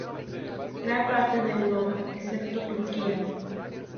Gran parte de Europa, excepto Turquía.